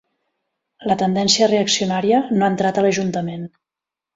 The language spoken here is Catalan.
La tendència reaccionària no ha entrat a l'ajuntament.